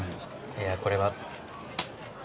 いやこれは。